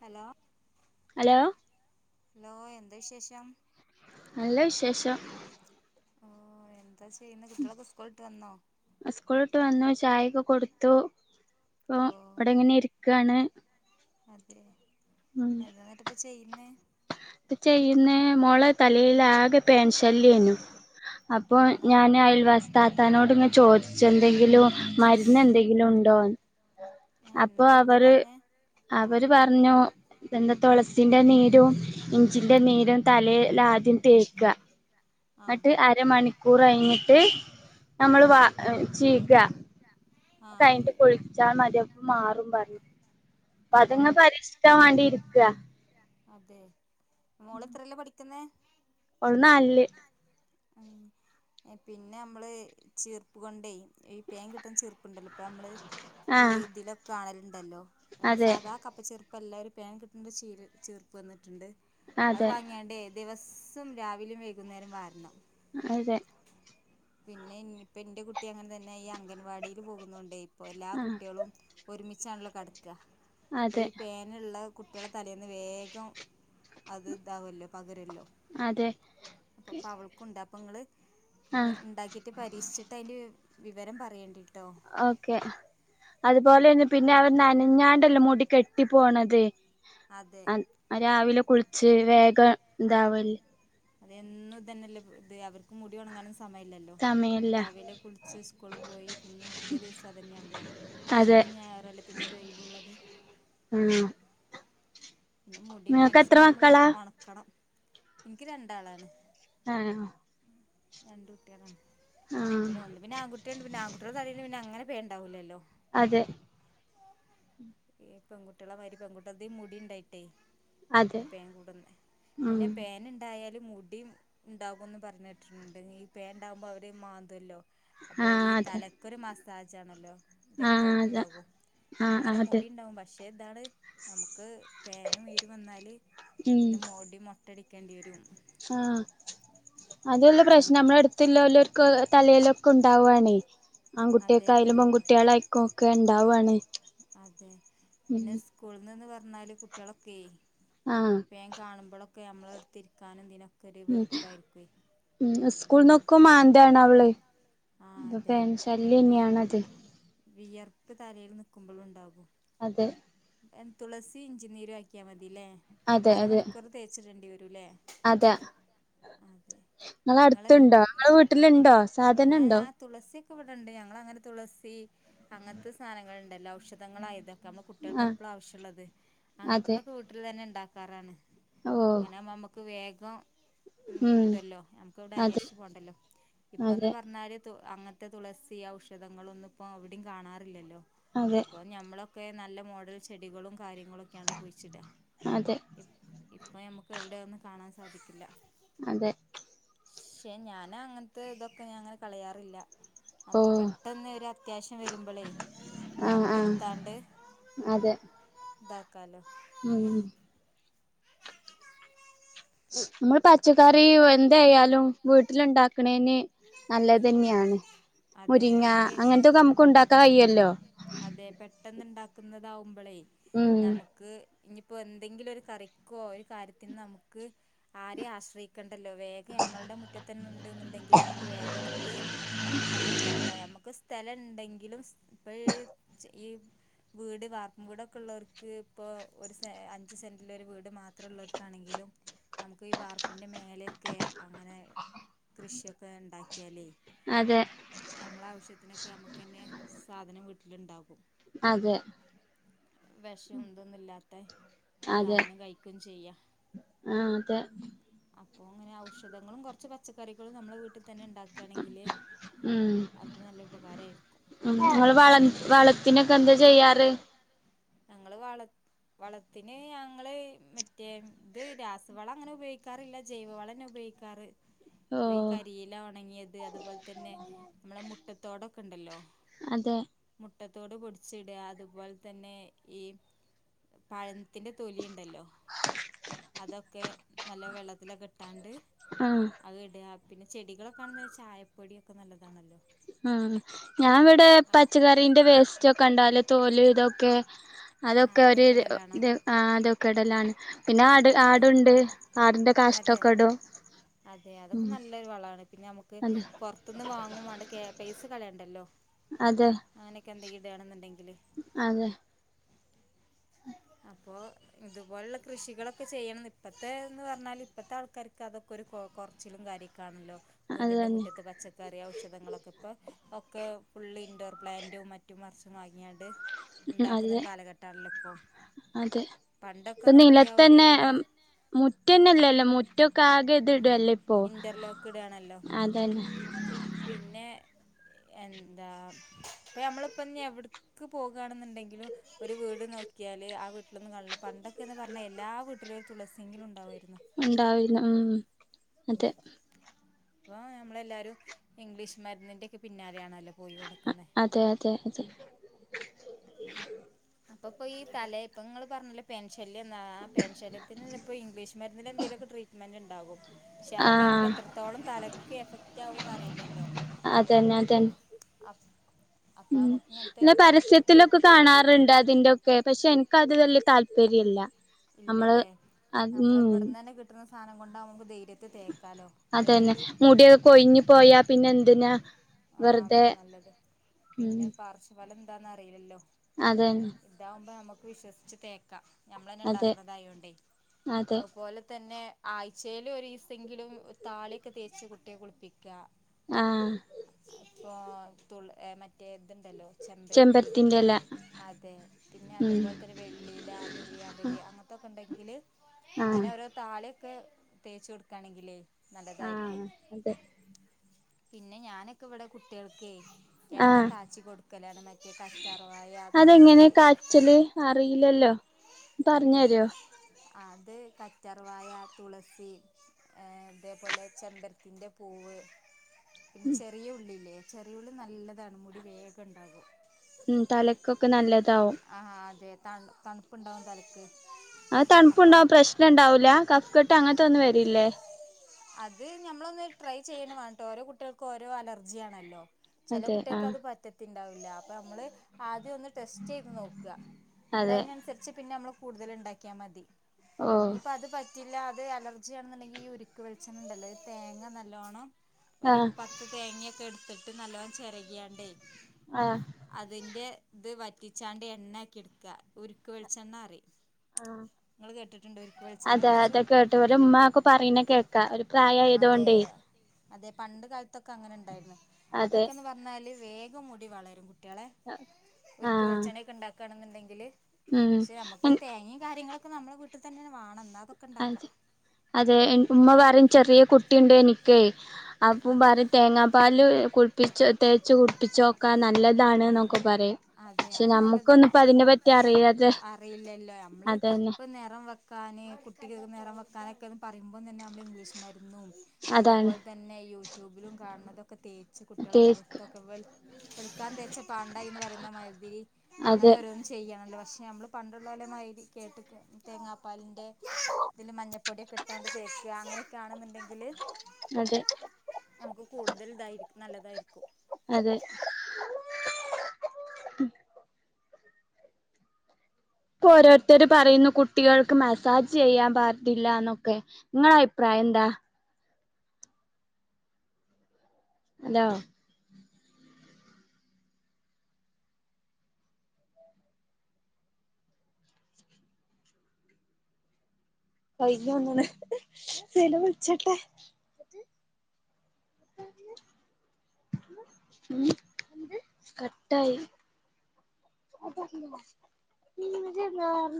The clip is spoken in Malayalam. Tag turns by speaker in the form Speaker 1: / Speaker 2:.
Speaker 1: ഹലോ
Speaker 2: ഹലോ
Speaker 1: ഹലോ എന്താ വിശേഷം?
Speaker 2: നല്ല വിശേഷം
Speaker 1: ഓ എന്താ ചെയ്യ്ന്നെ കുട്ട്യേളൊക്കെ സ്കൂളിട്ട് വന്നോ?
Speaker 2: ചായക്കെ കൊടുത്തു ഇപ്പൊ
Speaker 1: ഓ
Speaker 2: ഇവിടെ ങ്ങനെ ഇരിക്കാണ്
Speaker 1: അതെ
Speaker 2: ഉം
Speaker 1: എന്താെന്നിട്ട് പ്പ ചെയ്യ്ന്നേ?
Speaker 2: ഇപ്പ ചെയ്യുന്നെ മോളെ തലയിൽ ആകെ പേൻ ശല്യനു അപ്പൊ
Speaker 1: ആണോ
Speaker 2: ഞാൻ അയൽ വാസിത്താതാനോട് ഇങ്ങന ചോദിച്ച് എന്തെങ്കിലും മരുന്ന് എന്തെങ്കിലും ഉണ്ടോന്ന്
Speaker 1: ഏ
Speaker 2: അപ്പൊ
Speaker 1: എന്നിട്ട് എന്താ
Speaker 2: അവര്
Speaker 1: പറഞ്ഞേ
Speaker 2: അവര് പറഞ്ഞു എന്താ തുളസിന്റെ നീര് ട്ടോ ഇഞ്ചിന്റെ നീരും തലയിലാദ്യം തേക്ക
Speaker 1: ആ
Speaker 2: എന്നിട്ട് അരമണിക്കു കൂർ കഴിഞ്ഞിട്ട് നമ്മള് വ ചീക
Speaker 1: ആ
Speaker 2: കഴിഞ്ഞിട്ട്
Speaker 1: അതെ
Speaker 2: കുളിച്ചാൽ മതി അപ്പ മാറും പറഞ്ഞ് അപ്പ
Speaker 1: ആണോ
Speaker 2: അതങ്ങ് പരീക്ഷിക്കാൻ വേണ്ടി ഇരിക്കാ
Speaker 1: അതെ മോളെത്രല്ലാ പഠിക്കുന്നേ
Speaker 2: ഓള് നാലില്
Speaker 1: പിന്നെ നമ്മള് ചീർപ്പ് കൊണ്ടേ ഈ പേൻ കിട്ടുന്ന ചീർപ്പുണ്ടല്ലോ നമ്മള് ഈ
Speaker 2: ആഹ്
Speaker 1: ഇതിലൊക്കെ കാണലു ണ്ടല്ലോ നമ്മള്
Speaker 2: അതെ
Speaker 1: സാദാ കപ്പ് ചെറു പ്പം എല്ലാവരും പേൻ കിട്ടണ്ട ചീര് ചീർപ്പ് വന്നിട്ടുണ്ട് അത്
Speaker 2: അതെ
Speaker 1: വാങ്ങിയാണ്ടേ ദിവസം രാവിലെയും വൈകുന്നേരം വാരണം
Speaker 2: അതെ
Speaker 1: പിന്നെ ഇനിപ്പ എന്റെ കുട്ടി അങ്ങനെ തന്നെ ഈ അംഗൻവാടിൽ പോകുന്നോണ്ടെ എല്ലാ
Speaker 2: ആഹ്
Speaker 1: കുട്ടികളും ഒരുമിച്ച് ഒരുമിച്ചാണോ കിടത്ത ഇപ്പൊ
Speaker 2: അതെ
Speaker 1: ഈ പേനുള്ള കുട്ടികള തലേന്ന് വേഗം അത് ഇതാവല്ലോ പകരല്ലോ
Speaker 2: അതെ
Speaker 1: അപ്പപ്പ അവൾക്കുണ്ട് അപ്പൊ ഇങ്ങള്
Speaker 2: ആഹ്
Speaker 1: ഉണ്ടാക്കിയിട്ട് പരീക്ഷിച്ചിട്ട് അതിൻ്റെ വിവരം പറയേണ്ടി
Speaker 2: ഓക്കെ അത് ഇതുപോലെന്നെ പിന്നെ അവർ നനഞ്ഞാണ്ടല്ലോ മുടി കെട്ടി പോണത്
Speaker 1: അതെ
Speaker 2: അ രാവിലെ കുളി ച്ചരി വേഗം ഇതാവല്ലേ
Speaker 1: അതൊന്നും തന്നെല്ലേ ഇത് അവർക്ക് മുടി ഉണങ്ങാൻ സമയമില്ലല്ലോ
Speaker 2: സമയല്ല
Speaker 1: രാവിലെ കുളിച്ച് സ്കൂള് പോയി പിന്നേും പിറ്റേ ദിവസം അത് തന്നെയാണല്ലോ
Speaker 2: അതെ
Speaker 1: ശനി ഞായറല്ലേ പിന്നെ ഒരു ഒഴുവുള്ളത്
Speaker 2: ആഹ്
Speaker 1: പിന്നെ മുടി
Speaker 2: നിങ്ങൾക്ക് എത്ര
Speaker 1: മാക്സിമം നമ്മള്
Speaker 2: മക്കളാ
Speaker 1: ഉണക്കണം എനിക്ക് രണ്ടാളാണ്
Speaker 2: ആഹ
Speaker 1: രണ്ടു കുട്ടികൾ ആണ്
Speaker 2: ആഹ്
Speaker 1: പിന്നെ ഒന്നു പിന്നെ ആൺകുട്ടിയായോണ് പിന്നെ ആകുട്ടിടെ തലയിൽപിന്നെ അങ്ങനെ വേണ്ടാവില്ലല്ലോ
Speaker 2: അതെ
Speaker 1: പെൺകുട്ടികള മാതിരി പെൺുട്ടിക മുടി ഉണ്ടായിട്ടേ
Speaker 2: അതെ
Speaker 1: പേൻ കൂടന്ന പിന്നെ
Speaker 2: ഉം
Speaker 1: പേൻ ഉണ്ടായാലും മുടിയും ഉണ്ടാകുമന്ന് പറഞ്ഞിട്ടിട്ടുണ്ട് ഈ പേൻ ഉണ്ട് ആകുമ്പോൾ അവര് മാന്ത്വല്ലോ അപ്പൊ ഈ തലക്കൊരു മാസ താജ ആണല്ലോ
Speaker 2: ആ, അത ആ, ആ അതെ
Speaker 1: പക്ഷേ ഇതാണ് നമുക്ക് പേനും, ഈരും വന്നാല് മുടി മൊ പേടിക്കേണ്ടി വരും
Speaker 2: ആ, അതല്ല
Speaker 1: ഇപ്പം പേൻ
Speaker 2: പ്രശ്നം നമ്മടെ അടുത്തുള്ള വല്ലോർക്ക് തലയിലൊക്കെ ഉണ്ടാവുവാണെ
Speaker 1: അതെ പിൻ
Speaker 2: ആൺകുട്ടിയക്കായാലും പെൺകുട്ടികളയിക്കും ഒക്കെ ഇണ്ടാവുവാണ്, ഉം
Speaker 1: മൂന്നാല് കുട്ടികളൊക്കെ
Speaker 2: ആഹ്
Speaker 1: പേൻ കാണുമ്പോളൊ ഒക്കെ നമ്മളെടുത്തിരിക്കാനും ഇതിന
Speaker 2: ഉം,
Speaker 1: ഉം
Speaker 2: സ്കൂൾന്നൊക്കെ മാന്ത് വാണ് അവള്,
Speaker 1: ആ അതെ
Speaker 2: പേൻ ശല്യം
Speaker 1: പിന്നെ
Speaker 2: അല്ലന്നെയണത്
Speaker 1: വിയർപ്പ് തലയിൽ നിൽക്കുമ്പോൾു ഉണ്ടാകും
Speaker 2: അതെ
Speaker 1: തുളസിയും, ഇഞ്ചി നീരും ആക്കിയാൽ മതി [unintelligible] അരമണിക്കൂർ തേച്ചിട്ടുണ്ടി വ
Speaker 2: അതാ
Speaker 1: അതെ നിങ്ങളെ
Speaker 2: നിങ്ങളടുത്തുണ്ടോ, നിങ്ങടെ വീട്ടിലുണ്ടോ അടുത്തുണ്ടോ, സാധനുണ്ടോ
Speaker 1: ഉണ്ട് ഞങ്ങങ്ങനെ തുളസി അങ്ങനത്തെ സാധനങ്ങളൾ ഉണ്ടല്ലോ ഔഷധങ്ങളായിതൊക്കെ നമ്മ കുട്ടികൾക്ക്
Speaker 2: ആഹ്
Speaker 1: എപ്പളും ആവശ്യമുള്ളത്
Speaker 2: അതെ
Speaker 1: അങ്ങനത്തെതൊക്കെ വീട്ടിൽ തന്നെ ഉണ്ടാക്കും [unintelligible]
Speaker 2: ഓ
Speaker 1: അങ്ങനാവുമ്പം നമ്മക്ക് വേഗം
Speaker 2: ഉം
Speaker 1: കിട്ടുമല്ലോ നമുക്ക് ഇവിടെ
Speaker 2: അതെ
Speaker 1: അന്വേഷിച്ചു പോണ്ടല്ലോ, ഇപ്പന്ന്
Speaker 2: അതെ
Speaker 1: പറഞ്ഞാല് അങ്ങനത്തെ തുളസി, ഔഷധങ്ങളൊന്നും ഇപ്പോ അവിടയും കാണാറില്ലല്ലോ
Speaker 2: അതെ
Speaker 1: അപ്പൊ ഞമ്മള ഒക്കെ നല്ല മോഡൽ ചെടികളും കാര്യങ്ങളൊക്കെയാണല്ലോ കുഴിച്ചിട്ടാ
Speaker 2: അതെ
Speaker 1: ഇപ്പ നമുക്ക് എവിടെയതൊന്നും കാണാൻ സാധിക്കില്ല
Speaker 2: അതെ
Speaker 1: പക്ഷെ ഞാൻ അങ്ങനത്തെ ഇതൊക്കെ ഞാൻ അങ്ങനെ കളയാറില്ല നമുക്ക്
Speaker 2: ഓ
Speaker 1: പെട്ടെന്ന് ഒരു അത്യാവശ്യം വരുമ്പളേ
Speaker 2: ആഹ്
Speaker 1: നമുക്ക്
Speaker 2: ആഹ്
Speaker 1: എടുത്താണ്ട് കനം
Speaker 2: മ് നമ്മൾ പച്ചക്കറി എന്തായാലും വീട്ടിലുണ്ടാക്കണേന് നല്ലത് തന്നെയാണ്
Speaker 1: അതെ
Speaker 2: മുരിങ്ങ
Speaker 1: നമുക്ക്
Speaker 2: അങ്ങനത്തൊക്കെ നമുക്ക് ഉണ്ടാക്കാൻ കഴിക്കുമല്ലോ
Speaker 1: ക്കുന്നതാവുമ്പോളേ നമുക്ക് ഇനിയിപ്പൊ എന്തെങ്കിലും ഒരു കറിക്കോ ഒരു കാര്യത്തിന് നമുക്ക് ആരിം ആശ്രയിക്കണ്ട വേഗം ഞമ്മളുടെ മുറ്റത്ത് തന്നെ ഉണ്ട് എന്നുണ്ടെങ്കിൽ നമുക്ക് വേഗം എടുത്ത് അത്ണ്ടാക്കാം നമുക്ക് സ്ഥലം ഉണ്ടെങ്കിലും ഇപ്പൾഈ ഈ വീട് വാർപ്പും വീടൊക്കെ ഉള്ളവർക്ക് ഇപ്പോൾ ഒരു സെ അഞ്ച് സെന്റിൽ ഒരു വീട് മാത്രം ഉള്ളവർക്കാണെങ്കിലും നമുക്ക് ഈ വാർപ്പിന്റെ മേലൊക്കെ അങ്ങനെ കൃഷിയൊക്കെ ഉണ്ടാക്കിയാല്
Speaker 2: അതെ
Speaker 1: നമ്മളെ ആവശ്യത്തിനൊക്കെ നമുക്ക് തന്നെ സാധനം വീട്ടിലുണ്ടകും
Speaker 2: അതെ
Speaker 1: വെഷം ഇതൊന്നുല്ലാത്ത
Speaker 2: അതെ
Speaker 1: സാധനം കഴിക്കയും ചെയ്യാം
Speaker 2: ആഹ് അതെ
Speaker 1: അപ്പോ അങ്ങനെ ഔഷധങ്ങളും കുറച്ച് പച്ചക്കറികളും നമ്മ വീട്ടില് തന്നെ ഉണ്ടാക്കുകയാണെങ്കില്
Speaker 2: ഉം
Speaker 1: അത് നല്ല ഉപകാരയിരിക്കും
Speaker 2: ത്തിനൊക്കെ എന്താ ചെയ്യാറ്
Speaker 1: ഞങ്ങള് വള വളത്തിന് ഞങ്ങള് മ മറ്റേ ഇത് രാസവള അങ്ങനെ ഉപയോഗിക്കാറില്ല ജൈവ വള നെഉപയോഗിക്കാറ്
Speaker 2: ഓ
Speaker 1: ഇപ്പൊ ഈ കരിയില ഉണങ്ങിയത് അതുപോലെ തന്നെ നമ്മളെ മുട്ടത്തോടൊക്കെ ഉണ്ടല്ലോ
Speaker 2: അതെ
Speaker 1: മുട്ട ട്ടത്തോട് പൊടിച്ചിടുക അതുപോലെ തന്നെ ഈ പഴ ത്തിന്റെ തൊലി ഉണ്ടല്ലോ അതൊക്കെ നല്ല വെള്ളത്തിലൊക്കെ ഇട്ട് അണ്ട്
Speaker 2: ആഹ്
Speaker 1: അതോണ്ട് ഞാൻ [unintelligible] പിന്നെ ചെടികളൊക്കാണെന്ന് ചായപ്പൊടിയൊക്കെ നല്ലതാണല്ലോ
Speaker 2: ആ ഞാൻ ഇവിടെ പച്ചക്കറീന്റെ വേസ്റ്റ് ഒക്കെ ഉണ്ടാല് തോല് ഇതൊക്കെ
Speaker 1: ആ
Speaker 2: അതൊക്കെ ഒരു
Speaker 1: ഇടലാണോ
Speaker 2: ഇ ആ അതൊക്കെ ഇടലാണ് പിന്നെ ആട്
Speaker 1: അതെ
Speaker 2: ആടുണ്ട് ആടിന്റെ
Speaker 1: അതെ
Speaker 2: കാഷ്ടൊക്കെ ഇടും
Speaker 1: അതെ അതൊക്കെ
Speaker 2: മ്
Speaker 1: നല്ലൊരു വളമാണ് പിന്നെ നമ്മുക്ക് പൊറത്തുന്ന് വാങ്ങും വാണ്ട കേ പൈസ കളയണ്ടല്ലോ
Speaker 2: അതെ
Speaker 1: അങ്ങനെ എന്ത് ഇതാണ്ന്ന്ണ്ടെങ്കി
Speaker 2: അതെ
Speaker 1: അപ്പൊ ഇതുപോലള്ള കൃഷികളൊക്കെ ചെയ്യണം ഇപ്പത്തെ എന്ന് പറഞ്ഞാൽ ഇപ്പത്തെ ആൾക്കാർക്ക് അതൊക്കെ ഒരു കൊറ കൊറച്ചിലും കാര്യക്ക്യ കാണല്ലോ
Speaker 2: അത്
Speaker 1: വീടിൻന്റെ
Speaker 2: തന്നെ
Speaker 1: മുറ്റത്ത് പച്ചക്കറി ഔഷധങ്ങളൊക്കെ ഇപ്പോൾ ഒക്കെ ഫുള്ള് ഇൻഡോർ പ്ലാന്ൻറും മറ്റുംമർച്ചും ന്നായ് ന്നീട്
Speaker 2: ഉം അതെ
Speaker 1: ഉണ്ടാക്കുന്നൊരു കാലഘട്ടാണല്ലോ ഇപ്പോ
Speaker 2: അതെ ഇപ്പൊ നിലത്തന്നെ
Speaker 1: എല്ലാ
Speaker 2: മുറ്റന്നെല്ലല്ലോ മുറ്റൊക്കെ ആകെ ഇതിട്ട് ടല്ലേ ഇപ്പോ
Speaker 1: ഇൻ്റർലോക്ക് ഇടുകയാണല്ലോ
Speaker 2: അതന്നെ
Speaker 1: പിന്നെ എന്താ ഇപ്പനമ്മളിപ്പം എവിട്ക്ക് പോകാണ്ന്ന്ണ്ടെങ്കിലും ഒരു വീട് നോക്കിയാല് ആ വീട്ടിലൊന്നും കാണില്ല പണ്ടൊക്കെയന്ന് പറഞ്ഞാൽ എല്ലാ വീട്ടിലും തുളസിയെങ്കിലും ഉണ്ടാവുമായിരുന്നു.
Speaker 2: ഉണ്ടാവില്ല ആഹ് അതെ
Speaker 1: ഇപ്പൊ നമ്മളെല്ലാരും ഇംഗ്ലീഷ് മരുന്നിന്റെയൊക്കെ പിന്നാലെയാണല്ലോ പോയികൊടുക്കുന്നെ
Speaker 2: അതെ അതെ അതെ
Speaker 1: അപ്പൊപ്പയീ തലയിപ്പങ്ങൾ പറഞ്ഞിലെ പേൻ ശ ല്യം ന്ന ആ പേൻ ശല്യത്തിന്പ്പൊ ഇംഗ്ലീഷ് മരുന്നില് എന്തേലുമൊക്കെ ട്രീറ്റ്മെന്റ് ണ്ടാകും പക്ഷെ അതൊക്കെ നമുക്ക്
Speaker 2: ആഹ്
Speaker 1: എത്രത്തോളം തലക്ക് എഫക്റ്റാവു ന്നെ റിയില്ലല്ലോ
Speaker 2: അതന്നെ അതന്നെ
Speaker 1: അപ്
Speaker 2: ഉം അല്ല പരസ്യത്തിലൊക്കെ കാണാറുണ്ട് അതിന്റോക്കെ പക്ഷെ എനിക്കതില് വലിയ താല്പര്യ ശരിയല്ല തെ
Speaker 1: ഇല്ലലേ നമ്മളവ്ടന്നന്നെ കിട്ട്ണസ് സാനം കൊണ്ടാവുമ്പ ധൈര്യ ക്ക് തേക്കാലോ ഏത്
Speaker 2: അതന്നെ
Speaker 1: അതായത്
Speaker 2: മുടിയൊക്കെ കൊഴിഞ്ഞു
Speaker 1: മുടിയൊക്കെ
Speaker 2: പോയാ
Speaker 1: കൊയ്ഞ്
Speaker 2: പിന്നെ
Speaker 1: പോയ
Speaker 2: എന്തിനാ
Speaker 1: പിന്നെ എന്തിനാ ആ
Speaker 2: വെറുതെ
Speaker 1: അതെ നല്ലത് പിന്നെ പാർശ്വഫലം ന്താന്നറിയില്ലല്ലോ
Speaker 2: അതെന്നെ
Speaker 1: വിശ്വസിച്ച് തേക്ക ഞമ്മളെന്നെണ്ടാക് കണ തായോണ്ടെ
Speaker 2: അതെ
Speaker 1: അതുപോലെ തന്നെ ആഴ്ചയില് ഒരീസെങ്കിലും താളിയൊക്കെ തേച്ച് കുട്ടിയെ കുളിപ്പിക്ക
Speaker 2: ആ
Speaker 1: ഇപ്പൊ തുൾഏ മറ്റേത്ണ്ടല്ലോ ചെമ്പരത്തി
Speaker 2: ചെമ്പരത്തിന്റെല
Speaker 1: അതെ പിന്നെ
Speaker 2: ഉം
Speaker 1: അതുപോലെ തന്നെ വെള്ളിയില നീലിയാമ്പരി അങ്ങന ണ്ടെങ്കില് അങ്ങനെ
Speaker 2: ആഹ്
Speaker 1: ഒരോ താളി ക്കെ തേച്ച് കൊടുക്കാണെങ്കിലേ
Speaker 2: ആ
Speaker 1: നല്ലതായിരിക്കും
Speaker 2: അതെ
Speaker 1: പിന്നെ ഞാനൊക്കെ ഇവിടെ കുട്ടികൾക്കെയ് എണ്ണ
Speaker 2: ആഹ്
Speaker 1: കാച്ചി കൊടുക്കലാണ് മറ്റേ കറ്റാ ർവായ
Speaker 2: അതെങ്ങനെ
Speaker 1: തുളസി അതെ
Speaker 2: പറഞ്ഞേരോ
Speaker 1: അത് കറ്റർവായ തുളസി ഏ തേപോലെ ചെമ്പരത്തിന്റെ പൂവ് പിന്നെ ചെറിയ ഉള്ളില്ലേ ചെറിയ ഉള്ളി നല്ലതാണ് മുടി വേഗം ഉണ്ടാകും
Speaker 2: ഉം തലക്കൊക്കെ നല്ലത്
Speaker 1: അ ആ അതെ താണ്ട് തണുപ്പുണ്ടാകും തലക്ക്
Speaker 2: അഹ് തണുപ്പുണ്ടാവും പ്രശ്നം ഉണ്ടാവൂല കഫ്കെട്ട് അങ്ങന [unintelligible] വരില്ലേ
Speaker 1: അത് നമ്മളൊന്ന് ട്രൈ ചെയ്യണം കേട്ടോ ഓരോ കുട്ടികൾക്കും ഓരോ അലർജി ആണല്ലോ ചില
Speaker 2: അതെ
Speaker 1: കുട്ടികൾക്ക്
Speaker 2: ആഹ്
Speaker 1: അത് പറ്റത്തില്ല ഉണ്ടാവില്ല അപ്പ നമ്മള് ആ ടെസ്റ്റ് ചെയ്ത് നോക്കുക എന്നിട്ട്
Speaker 2: അതെ
Speaker 1: അതിനനുസരിച്ച് പിന്നെ നമ്മള് - കൂടുതൽ ഉണ്ടാക്കിയാൽ മതി
Speaker 2: ഓഹ്
Speaker 1: ഇനിപ്പ അത് പ- പറ്റില്ല അത് അലർജിയാണെന്നുണ്ടെിൽ ഈ ഒരു- ക്ക് വളിച്ചെന്നുണ്ടല്ലോത് തേങ്ങ നല്ലവണ്ണം ഒരു
Speaker 2: ആഹ്
Speaker 1: പത്ത് തേങ്ങയും എടുത്തിട്ട് നല്ലോണം ചിരാകിയണ്ടേ
Speaker 2: ആഹ്
Speaker 1: അതിന്റെ- ഇത് വറ്റിച്ചാണ്ട് എണ്ണയാക്കി എടുക്ക ഉരുക്ക് വെളിച്ചെണ്ണ പറയും
Speaker 2: ആ
Speaker 1: വെളിച്ചെണ്ണയെ
Speaker 2: അതെ അതു
Speaker 1: കുറിച്ച്
Speaker 2: കേട്ടു ഒരു ഉമ്മാ ഒക്കെ പറയുന്ന കേൾക്കാ ഒരു
Speaker 1: അതെ
Speaker 2: പ്രായായതുകൊണ്ടേ-
Speaker 1: അതെ പണ്ട് കാലത്ത്- ഒക്കെ അങ്ങനെ ഉണ്ടായിരുന്നു
Speaker 2: അതെ
Speaker 1: അതൊക്കെന്ന് പറഞ്ഞാല്- വേഗം മുടി വളരും- കുട്ടളെ ഉര്ക്ക്
Speaker 2: ആഹ്
Speaker 1: വെള്ളിച്ചെണ്ണക്കെ ഉണ്ടാക്ക ആണെന്നുണ്ടെങ്കില്- ക്ഷെ നമ്മുക്ക്
Speaker 2: ഉം
Speaker 1: തേങ്ങയും കാര്യങ്ങള് നമ്മുടെ വീട്ടി തന്നെ ഇത് വാണം എന്ന-
Speaker 2: അതെ അതെ- എൻറ്റുഉമ്മ പറയും ചെറിയ കുട്ടിണ്ട്ന്ക്കേ അപ്പൊ
Speaker 1: അതെ
Speaker 2: പറും തേങ്ങാപ്പാല് കുളിപ്പിച്ചു തേച്ച് കുപ്പിച്ചോക്കാ നല്ലതാണ്ന്നൊക്കെ പറയും
Speaker 1: അതെ
Speaker 2: പക്ഷെ
Speaker 1: അത് നല്ലതാ
Speaker 2: നമ്മക്കൊന്നും ഇപ്പോ അതിനെ പറ്റി അറിയതെ
Speaker 1: അറിയില്ലല്ലോ നമ്മള്
Speaker 2: അതന്നെ-
Speaker 1: [inaudible] അതുപോലെതന്നെ അവിടെ ഇംഗ്ലീഷ് മരുന്ദും-
Speaker 2: അതാണ്
Speaker 1: അതേപോലെ തന്നെയാ യൂട്യൂബിലും കാണുന്ന- തേച്ചു കുട്ടികളെ
Speaker 2: തേക്ക്
Speaker 1: മുഖത്തൊക്കെ വെളി- വെളുക്കാൻ തേച്ചത്- പാണ്ടായി എന്ന് പറയുന്ന മാതിരി അങ്ങനെ
Speaker 2: അതെ
Speaker 1: ഓരോന്ന്ചെയ്യ [inaudible] ക്ഷേ നമ്മള് പണ്ടുള്ളോലമാതിരി കേട്ട്ക്കാ തേങ്ങാപാലിന്റെ തില് മഞ്ഞപ്പൊടി ഒക്കെട്ട് ക്കാണ്ട് തേക്കാ അങ്ങനൊക്കെ ആണന്ന്ണ്ടങ്കി ങ്കില്
Speaker 2: അതെ
Speaker 1: ഞമ്മക്ക് കൂടുതൽതായിരിക്കും നല്ലതായിരിക്കും
Speaker 2: അതെ ഇപ്പൊ ഓരോരുത്തര്പറയുന്നു കുട്ടികൾക്ക് മസാജ് ചെയ്യാൻ പാടില്ലാന്നൊക്കെ ങ്ങളഭിപ്രായം എന്താ അതാ [unintelligible] കട്ടായി